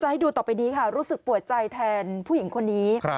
ให้ดูต่อไปนี้ค่ะรู้สึกปวดใจแทนผู้หญิงคนนี้